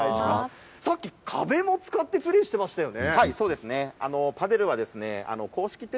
さっき、壁も使ってプレーしてましたよね。